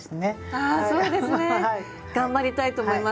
あそうですね。頑張りたいと思います。